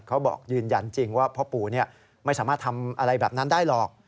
เขาบอกยืนยันจริงว่าพ่อปู่ไม่สามารถทำอะไรแบบนั้นได้หรอก